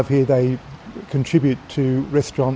mereka berkontribusi ke restoran